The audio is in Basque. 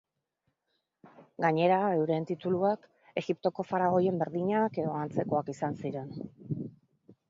Gainera, euren tituluak, Egiptoko faraoien berdinak edo antzekoak izan ziren.